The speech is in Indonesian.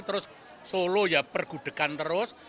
terus solo ya pergudegan terus